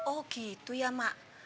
oh gitu ya mak